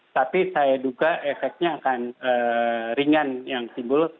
tapi saya duga efeknya akan ringan yang timbul